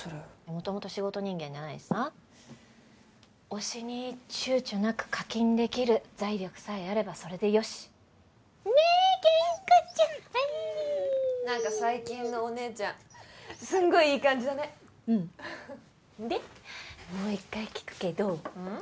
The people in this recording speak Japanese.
もともと仕事人間じゃないしさ推しに躊躇なく課金できる財力さえあればそれでよしねゲンコツはい何か最近のお姉ちゃんすんごいいい感じだねうんでもう一回聞くけどうん？